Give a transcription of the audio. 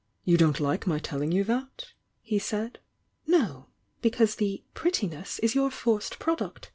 "You don't like my telling you that?" he said. "No. Because the 'prettiness' is your forced prod uct.